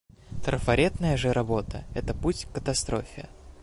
Трафаретная же работа — это путь к катастрофе.